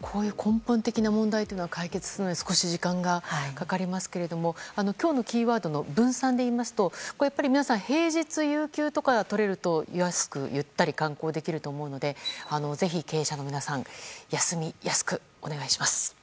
こういう根本的な問題は解決するまでに少し時間がかかりますが今日のキーワードの分散で言いますとやっぱり皆さん、平日に有休とかが取れると安く、ゆったり観光できると思うのでぜひ経営者の皆さん休みは、安くお願いします。